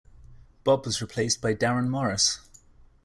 Bob was replaced by Darren Morris.